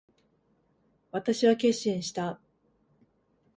私は決心した。